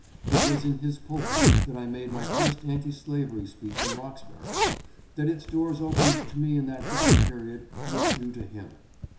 It was in his pulpit that I made my first anti slavery speech in Roxbury. That its doors opened to me in that dark period was due to him.